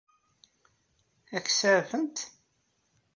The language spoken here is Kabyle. Ad k-saɛfent?